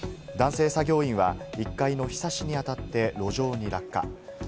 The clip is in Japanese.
男性作業員は１階のひさしに当たって路上に落下。